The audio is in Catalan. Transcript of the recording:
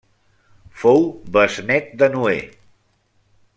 Fou besnét de Noè.